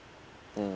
うん！